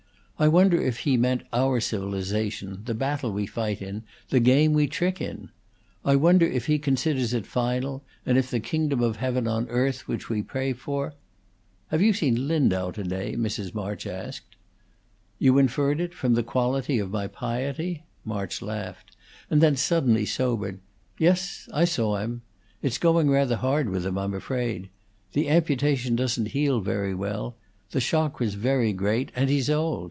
I wonder if He meant our civilization, the battle we fight in, the game we trick in! I wonder if He considers it final, and if the kingdom of heaven on earth, which we pray for " "Have you seen Lindau to day?" Mrs. March asked. "You inferred it from the quality of my piety?" March laughed, and then suddenly sobered. "Yes, I saw him. It's going rather hard with him, I'm afraid. The amputation doesn't heal very well; the shock was very great, and he's old.